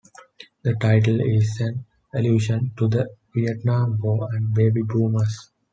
The title is an allusion to the Vietnam War and baby boomers.